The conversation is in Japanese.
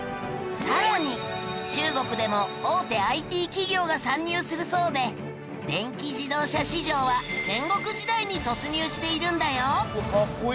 さらに中国でも大手ＩＴ企業が参入するそうで電気自動車市場は戦国時代に突入しているんだよ。